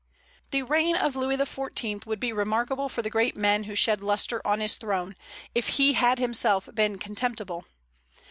The reign of Louis XIV. would be remarkable for the great men who shed lustre on his throne, if he had himself been contemptible.